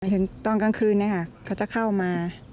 ถึงตอนกลางคืนนะคะเขาจะเข้ามา